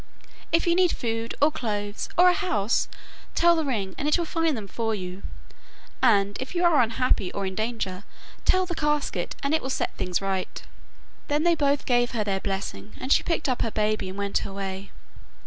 If you need food, or clothes, or a house, tell the ring and it will find them for you. And if you are unhappy or in danger, tell the casket and it will set things right.' Then they both gave her their blessing, and she picked up her baby and went her way.